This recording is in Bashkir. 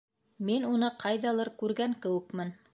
Мин уны ҡайҙалыр күргән кеүекмен.